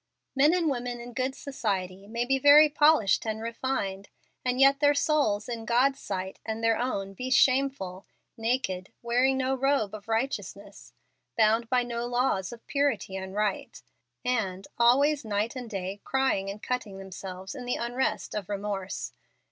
Men and women in good society may be very polished and refined, and yet their souls in God's sight and their own be shameful, "naked," wearing no robe of righteousness, bound by no laws of purity and right, and "always, night and day, crying and cutting" themselves in the unrest of remorse.